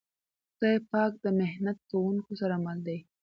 خدای پاک د محنت کونکو سره مل دی.